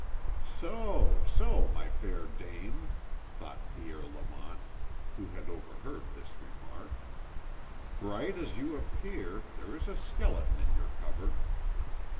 "So, so, my fair dame," thought Pierre Lamont, who had overheard this remark. "Bright as you appear, there is a skeleton in your cupboard.